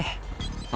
「あ？